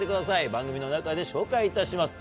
番組の中で紹介いたします。